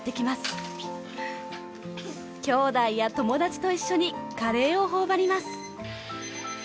きょうだいや友達と一緒にカレーを頬張ります。